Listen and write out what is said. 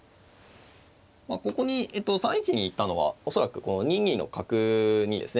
まあここに３一に行ったのは恐らくこの２二の角にですね